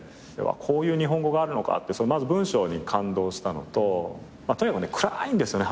こういう日本語があるのかってまず文章に感動したのととにかく暗いんですよね